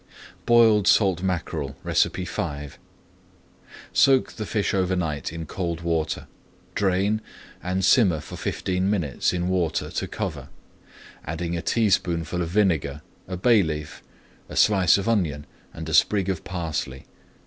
BOILED SALT MACKEREL V Soak the fish over night in cold water, drain, and simmer for fifteen minutes in water to cover, adding a teaspoonful of vinegar, a bay leaf, a slice of onion, and a sprig of parsley.